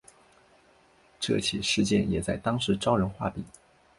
这起事件也在当时招人话柄。